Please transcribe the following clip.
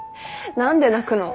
何で泣くの？